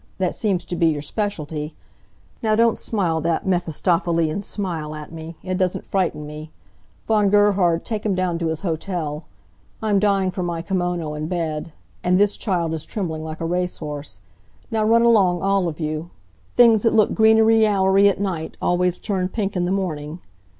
That seems to be your specialty. Now don't smile that Mephistophelian smile at me. It doesn't frighten me. Von Gerhard, take him down to his hotel. I'm dying for my kimono and bed. And this child is trembling like a race horse. Now run along, all of you. Things that look greenery yallery at night always turn pink in the morning.